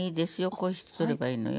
こうして取ればいいのよ。